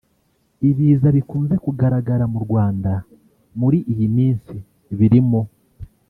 Ibiza bikunze kugaragara mu Rwanda muri iyi minsi birimo